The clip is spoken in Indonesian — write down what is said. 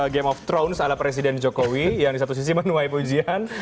game of thrones ala presiden jokowi yang di satu sisi menuai pujian